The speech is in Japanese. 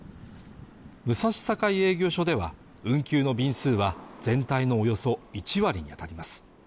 武蔵境営業所では運休の便数は全体のおよそ１割に当たります